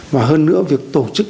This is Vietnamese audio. và hơn nữa việc tổ chức